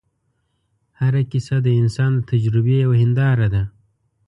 هره کیسه د انسان د تجربې یوه هنداره ده.